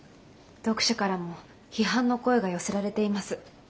読者からも批判の声が寄せられています。